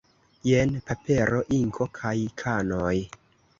Jen papero, inko kaj kanoj.